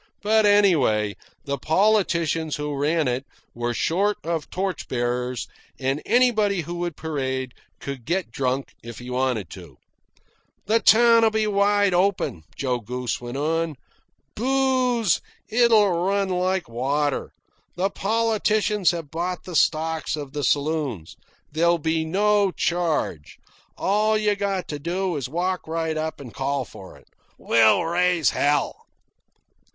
But anyway, the politicians who ran it were short of torch bearers, and anybody who would parade could get drunk if he wanted to.) "The town'll be wide open," Joe Goose went on. "Booze? It'll run like water. The politicians have bought the stocks of the saloons. There'll be no charge. All you got to do is walk right up and call for it. We'll raise hell."